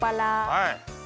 はい。